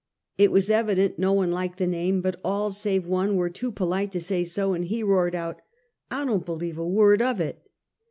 It was evident no one liked the name, but all, save one, were too polite to say so, and he roared out: " I don't believe a word of it!"